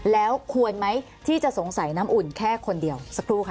แล้วควรไหมที่จะสงสัยน้ำอุ่นแค่คนเดียวสักครู่ค่ะ